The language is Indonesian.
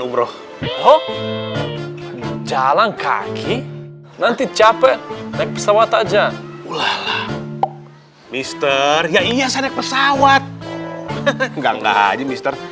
umroh jalan kaki nanti capek naik pesawat aja ulah mister ya iya saya pesawat enggak enggak aja mister